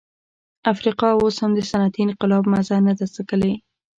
افریقا اوس هم د صنعتي انقلاب مزه نه ده څکلې.